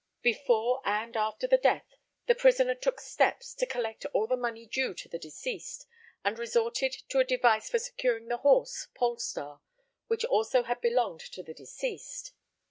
Before and after the death, the prisoner took steps to collect all the money due to the deceased, and resorted to a device for securing the horse Polestar, which also had belonged to the deceased.